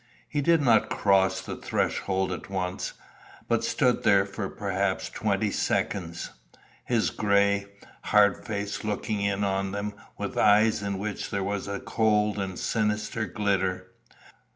He did not cross the threshold at once, but stood there for perhaps twenty seconds his gray, hard face looking in on them with eyes in which there was a cold and sinister glitter.